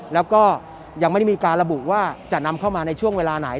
แล้วก็ยังไม่ได้มีการระบุว่าจะนำเข้ามาในช่วงเวลาไหน